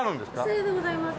左様でございます。